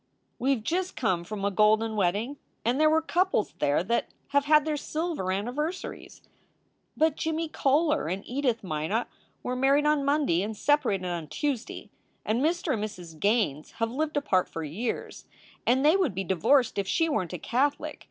"We ve just come from a golden wedding, and there were couples there that have had their silver anniversaries." "But Jimmie Coler and Edith Minot were married on Monday and separated on Tuesday. And Mr. and Mrs. Gaines have lived apart for years, and they would be divorced if she weren t a Catholic.